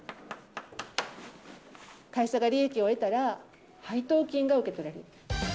会社が利益を得たら、配当金が受け取れる。